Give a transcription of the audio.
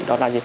đó là gì